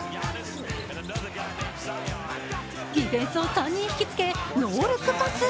ディフェンスを３人引きつけノールックパス。